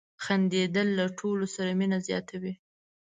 • خندېدل له ټولو سره مینه زیاتوي.